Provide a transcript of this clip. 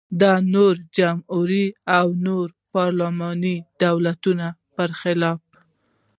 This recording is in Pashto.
د نورو جمهوري او نورو پارلماني دولتونو پرخلاف.